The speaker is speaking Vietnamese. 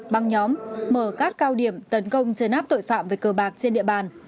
băng nhóm mở các cao điểm tấn công chơi nắp tội phạm về cờ bạc trên địa bàn